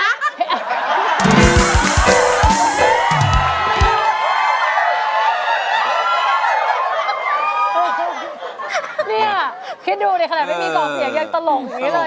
ยังตลกอย่างงี้เลย